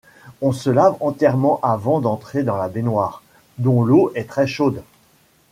On se lave entièrement avant d’entrer dans la baignoire, dont l’eau est très chaude.